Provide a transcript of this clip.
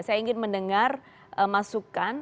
saya ingin mendengar masukan